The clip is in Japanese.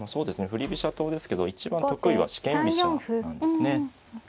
振り飛車党ですけど一番得意は四間飛車なんですね。